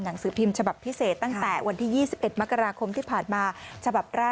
หนังสือพิมพ์ฉบับพิเศษตั้งแต่วันที่๒๑มกราคมที่ผ่านมาฉบับแรก